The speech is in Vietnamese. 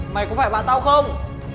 mày có phải bạn tao không